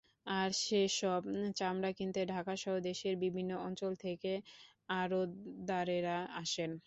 আর সেসব চামড়া কিনতে ঢাকাসহ দেশের বিভিন্ন অঞ্চল থেকে আড়তদারেরা আসেন।